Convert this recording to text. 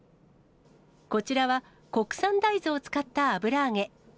こちらは、国産大豆を使った油揚げ。